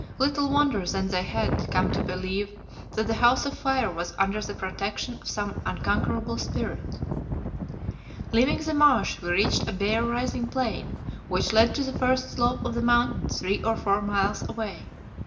Little wonder then they had come to believe that the House of Fire was under the protection of some unconquerable Spirit. Leaving the marsh, we reached a bare, rising plain, which led to the first slope of the Mountain three or four miles away.